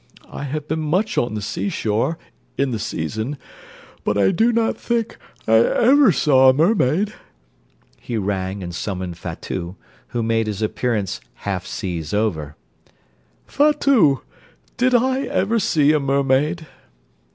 I have been much on the sea shore, in the season, but I do not think I ever saw a mermaid. (He rang, and summoned Fatout, who made his appearance half seas over.) Fatout! did I ever see a mermaid?